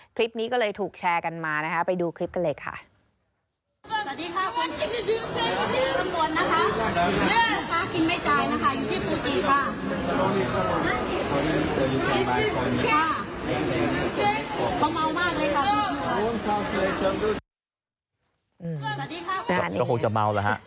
คลิปนี้ก็เลยถูกแชร์กันมานะคะไปดูคลิปกันเลยค่ะ